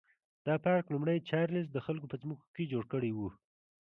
دا پارک لومړي چارلېز د خلکو په ځمکو کې جوړ کړی و.